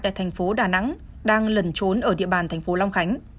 tại thành phố đà nẵng đang lẩn trốn ở địa bàn thành phố long khánh